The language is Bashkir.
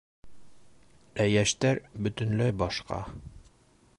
Ә йәштәр бөтөнләй башҡа.